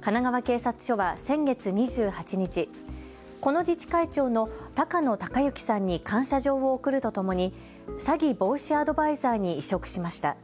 神奈川警察署は先月２８日、この自治会長の高野孝行さんに感謝状を贈るとともにサギ防止アドバイザーに委嘱しました。